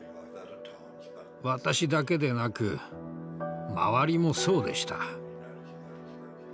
私だけでなく周りもそうでした。